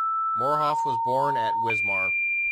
Morhof was born at Wismar.